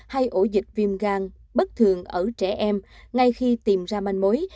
hay ổ dịch viêm gan bất thường ở trẻ em ngay khi tìm ra manh mối